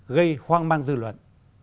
gây hoang mang dư luận